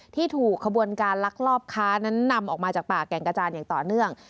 ที่ถูกขบวนการลักลอบค้านั้นนำออกมาจากป่าแก่งกระจานอย่างต่อเนื่อง